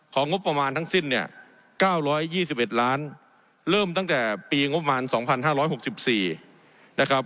ของงบประมาณทั้งสิ้นเนี้ยเก้าร้อยยี่สิบเอ็ดล้านเริ่มตั้งแต่ปีงบประมาณสองพันห้าร้อยหกสิบสี่นะครับ